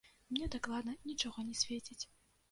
Мне дакладна нічога не свеціць!